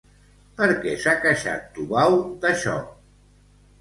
Per què s'ha queixat Tubau d'això?